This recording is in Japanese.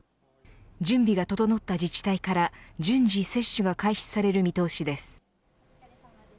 準備が整った自治体から順次接種が開始される見通しです。